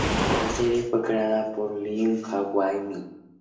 La serie fue creada por Lim Hwa-min.